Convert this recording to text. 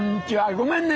ごめんね。